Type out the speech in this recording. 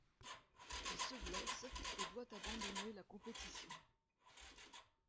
Il se blesse et doit abandonner la compétition.